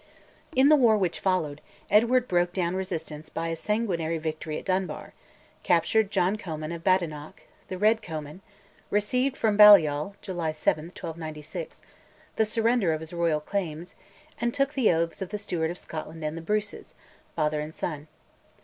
In the war which followed, Edward broke down resistance by a sanguinary victory at Dunbar, captured John Comyn of Badenoch (the Red Comyn), received from Balliol (July 7, 1296) the surrender of his royal claims, and took the oaths of the Steward of Scotland and the Bruces, father and son.